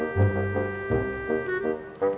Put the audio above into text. ya rumahnya dimana ya